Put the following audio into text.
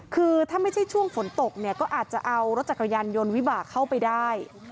คือถ้าไม่ใช่ช่วงฝนตกเนี่ยก็อาจจะเอารถจักรยานยนต์วิบากเข้าไปได้